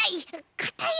かたいよ